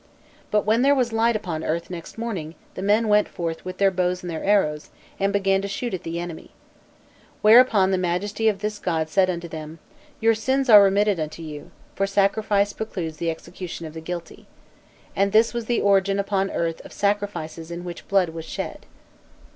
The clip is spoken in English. But when there was light upon earth the next morning, the men went forth with their bows and their arrows, and began to shoot at the enemy. Whereupon the Majesty of this god said unto them: 'Your sins are remitted unto you, for sacrifice precludes the execution of the guilty.' And this was the origin upon earth of sacrifices in which blood was shed."